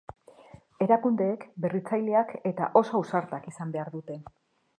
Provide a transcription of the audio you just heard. Erakundeek berritzaileak eta oso ausartak izan behar dute.